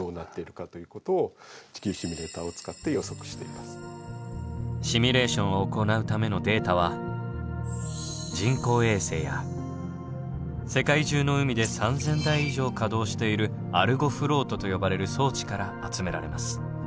ここ図があるのはシミュレーションを行うためのデータは人工衛星や世界中の海で３，０００台以上稼働しているアルゴフロートと呼ばれる装置から集められます。